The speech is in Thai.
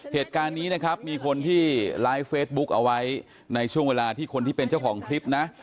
เหตุการณ์นี้นะครับมีคนที่ไลฟ์เฟซบุ๊กเอาไว้ในช่วงเวลาที่คนที่เป็นเจ้าของคลิปนะ